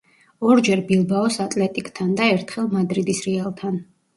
ორჯერ ბილბაოს „ატლეტიკთან“ და ერთხელ მადრიდის „რეალთან“.